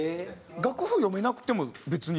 楽譜読めなくても別に？